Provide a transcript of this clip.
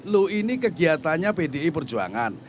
loh ini kegiatannya pdi perjuangan